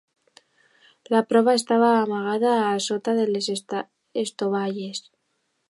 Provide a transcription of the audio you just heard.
La prova estava amagada a sota de les estovalles.